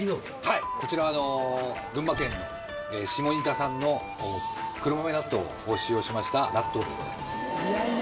はいこちらは群馬県下仁田産の黒豆納豆を使用しました納豆でございます。